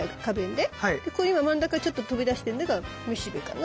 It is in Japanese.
で今真ん中ちょっと飛び出してんのがめしべかな。